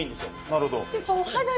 なるほど。